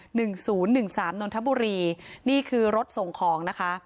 หนึ่งศูนย์หนึ่งสามนนทบุรีนี่คือรถส่งของนะคะ